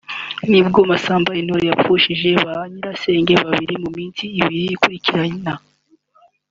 nibwo Masamba Intore yapfushije ba nyirasenge babiri mu minsi ibiri ikurikirana